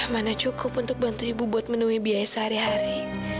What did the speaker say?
mana cukup untuk bantu ibu buat menemui biaya sehari hari